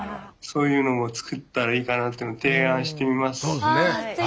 そういうのも作ったらいいかなと提案してみます。